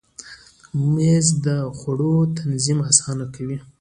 مېز د خوړو تنظیم اسانه کوي.